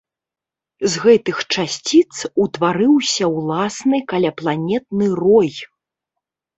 З гэтых часціц утварыўся ўласны каляпланетны рой.